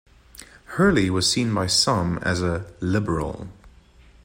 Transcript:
Hurley was seen by some as a "liberal".